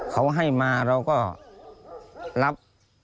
เขาให้มาเราก็รับ